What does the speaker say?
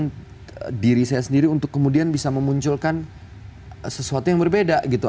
jadi merangsang diri saya sendiri untuk kemudian bisa memunculkan sesuatu yang berbeda gitu